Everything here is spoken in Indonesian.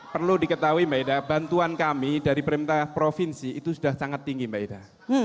perlu diketahui mbak ida bantuan kami dari pemerintah provinsi itu sudah sangat tinggi mbak ida